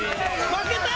負けた？